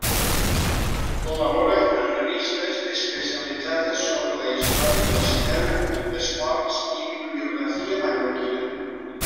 Col·labora en revistes especialitzades sobre la història del cinema, esports i bibliografia mallorquina.